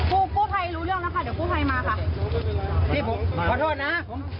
แรมสุดท้ายเสร็จสดงทดลาทำไมถึงจะตายลูกพิการที่กลับมา